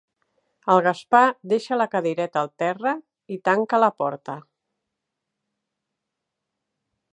El Gaspar deixa la cadireta al terra i tanca la porta.